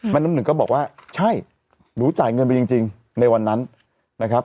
น้ำหนึ่งก็บอกว่าใช่หนูจ่ายเงินไปจริงในวันนั้นนะครับ